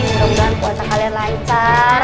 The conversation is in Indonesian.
ini mudah mudahan kuasa kalian lancar